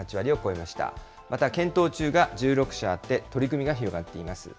また検討中が１６社あって、取り組みが広がっています。